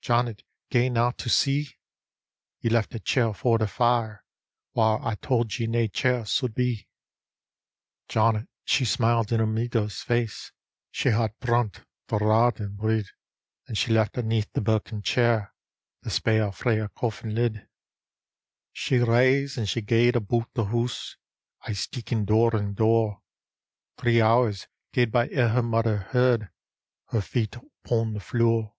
Janet, gae na to see ; Ye left a chair afore the fire, Whaur I tauld ye nae chair sud be." Janet she smiled in her mither's face: She had brunt the roddin reid: And she left aneath the birken chair The ^ale frae a coffin lid. She rase and she gaed but die hoose. Aye steekin' door and door, Three hours gaed by ere her mother heard Her fit upo' the flure.